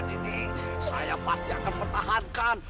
ini saya pasti akan pertahankan